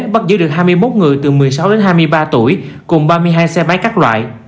bắt giữ được hai mươi một người từ một mươi sáu đến hai mươi ba tuổi cùng ba mươi hai xe máy các loại